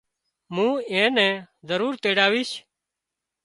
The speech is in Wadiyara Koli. مُون اين نين ضرور تيڙاويش